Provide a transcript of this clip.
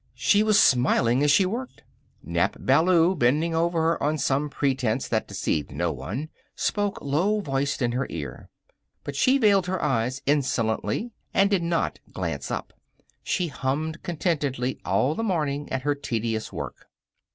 She was smiling as she worked. Nap Ballou, bending over her on some pretense that deceived no one, spoke low voiced in her ear. But she veiled her eyes insolently and did not glance up. She hummed contentedly all the morning at her tedious work.